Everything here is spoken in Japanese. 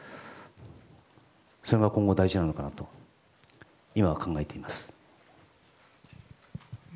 それが今後、大事なのかなと今は考えています。